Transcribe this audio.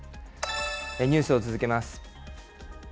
ニュースを続けます。